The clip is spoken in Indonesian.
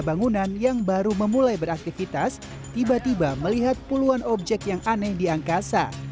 bangunan yang baru memulai beraktivitas tiba tiba melihat puluhan objek yang aneh di angkasa